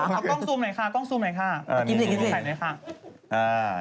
คุณกอล์คไอคอล์เข้ากินหน่อย